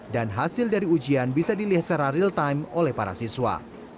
hasil dari ujian bisa dilihat secara real time oleh para siswa